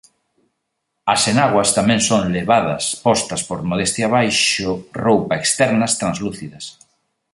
As enaguas tamén son levadas postas por modestia baixo roupa externas translúcidas.